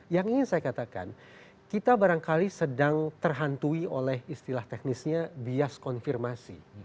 yang ingin saya katakan kita barangkali sedang terhantui oleh istilah teknisnya bias konfirmasi